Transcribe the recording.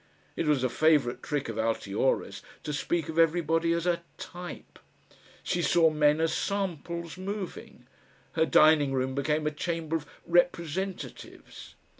It was a favourite trick of Altiora's to speak of everybody as a "type"; she saw men as samples moving; her dining room became a chamber of representatives.